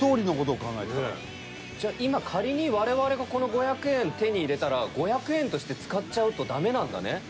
じゃあ今仮に我々がこの５００円手に入れたら５００円として使っちゃうとダメなんだね？